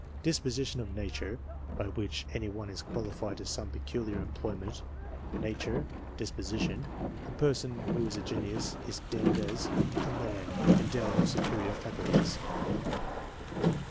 Disposition of nature by which any one is qualified to some peculiar employment. Nature; disposition." A person who is a genius is defined as A man endowed with superior faculties.